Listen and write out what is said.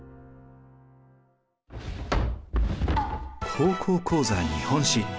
「高校講座日本史」。